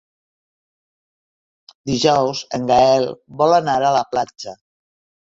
Dijous en Gaël vol anar a la platja.